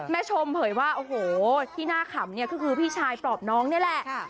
แม่ชมเผยว่าที่น่าขำคือพี่ชายปลอบน้องนี่แหละ